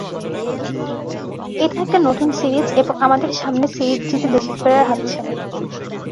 এটা একটা নতুন সিরিজ এবং আমাদের সামনে সিরিজ জিতে দেশে ফেরার হাতছানি।